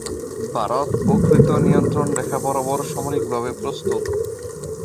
ভারত প্রকৃত নিয়ন্ত্রণ রেখা বরাবর সামরিকভাবে প্রস্তুত।